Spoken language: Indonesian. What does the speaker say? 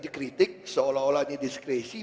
dikritik seolah olahnya diskresi